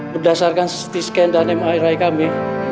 berdasarkan sti scan dan mri kami